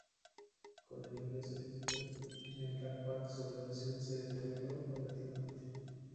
Con el ingreso de Peter en el Rat Pack su relación se deterioró paulatinamente.